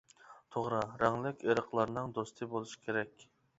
-توغرا، رەڭلىك ئېرىقلارنىڭ دوستى بولۇش كېرەك.